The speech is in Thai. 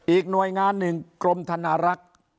หน่วยงานหนึ่งกรมธนารักษ์